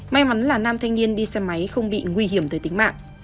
may mắn là nam thanh niên đi xe máy không bị nguy hiểm tới tính mạng